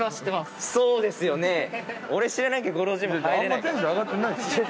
あんまテンション上がってないですよ。